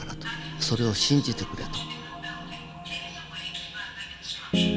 それを信じてくれと。